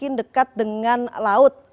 mungkin dekat dengan laut